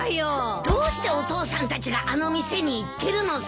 どうしてお父さんたちがあの店に行ってるのさ。